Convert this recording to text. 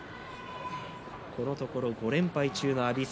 このところ５連敗中の阿炎戦。